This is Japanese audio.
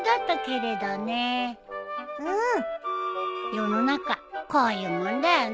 世の中こういうもんだよね。